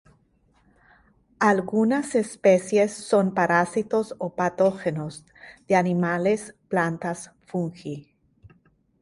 Algunas especies son parásitos o patógenos de animales, plantas, fungi.